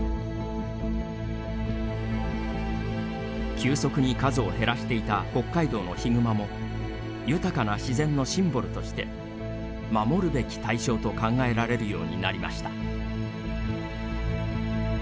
急速に数を減らしていた北海道のヒグマも豊かな自然のシンボルとして守るべき対象と考えられるようになりました。